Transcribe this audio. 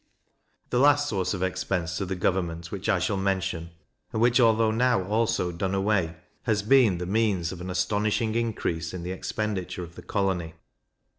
The last source of expense to the government which I shall mention, and which, although now also done away, has been the means of an astonishing increase in the expenditure of the colony.